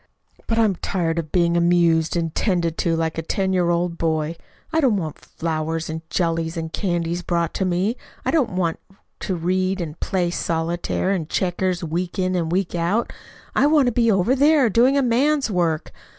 But I'm tired of being amused and 'tended to like a ten year old boy. I don't want flowers and jellies and candies brought in to me. I don't want to read and play solitaire and checkers week in and week out. I want to be over there, doing a man's work.